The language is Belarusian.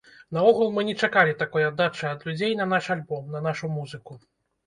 Наогул, мы не чакалі такой аддачы ад людзей на наш альбом, на нашу музыку.